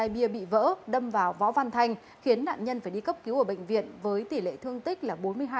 hai bia bị vỡ đâm vào võ văn thanh khiến nạn nhân phải đi cấp cứu ở bệnh viện với tỷ lệ thương tích là bốn mươi hai